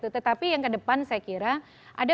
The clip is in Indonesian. tetapi yang kedepan saya kira ada